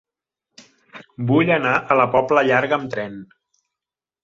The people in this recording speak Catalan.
Vull anar a la Pobla Llarga amb tren.